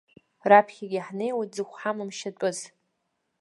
Раԥхьагьы ҳнеиуеит зыхә ҳамам шьатәыс.